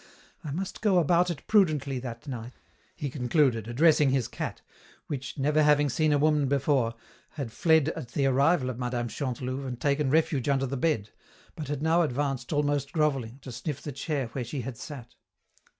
"I must go about it prudently that night," he concluded, addressing his cat, which, never having seen a woman before, had fled at the arrival of Mme. Chantelouve and taken refuge under the bed, but had now advanced almost grovelling, to sniff the chair where she had sat.